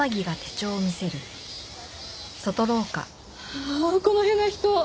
ああこの変な人。